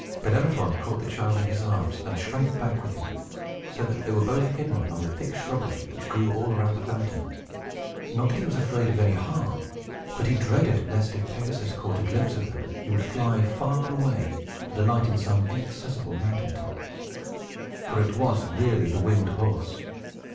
Bellerophon caught the child in his arms, and shrank back with him, so that they were both hidden among the thick shrubbery which grew all around the fountain. Not that he was afraid of any harm, but he dreaded lest, if Pegasus caught a glimpse of them, he would fly far away, and alight in some inaccessible mountain top. For it was really the winged horse.